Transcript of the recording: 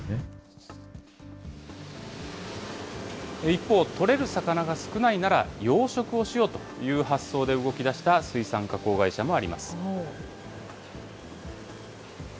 一方、取れる魚が少ないなら、養殖をしようという発想で動きだした水産加工会社もあります。